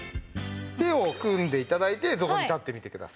手を組んで頂いてそこに立ってみてください。